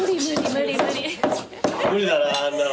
無理だなあんなの。